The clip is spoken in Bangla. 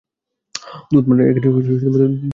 দুধ পান করেছি।